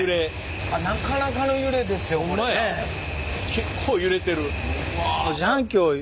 結構揺れてる。